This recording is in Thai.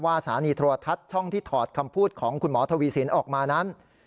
สถานีโทรทัศน์ช่องที่ถอดคำพูดของคุณหมอทวีสินออกมานั้น